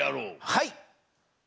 はい！